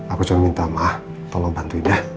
aku cuma minta ma tolong bantuin ya